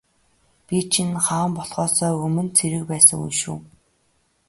Би чинь хаан болохоосоо өмнө цэрэг байсан хүн шүү.